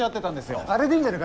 あれでいいんじゃないか？